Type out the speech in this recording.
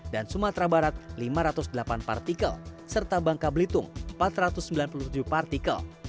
dan sumatera barat lima ratus delapan partikel serta bangka blitung empat ratus sembilan puluh tujuh partikel